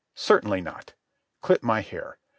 Certainly not. Clip my hair.